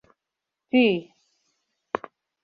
Пӱй.